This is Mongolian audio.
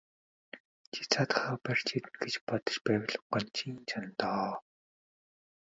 Чи цаадхыгаа барж иднэ гэж бодож байвал гонжийн жоо доо.